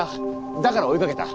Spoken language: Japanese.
だから追いかけた？